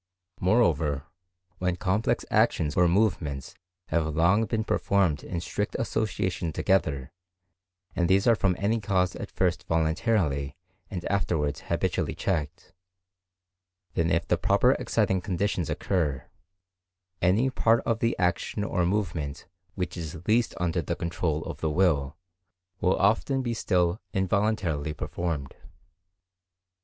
Moreover, when complex actions or movements have long been performed in strict association together, and these are from any cause at first voluntarily and afterwards habitually checked, then if the proper exciting conditions occur, any part of the action or movement which is least under the control of the will, will often still be involuntarily performed.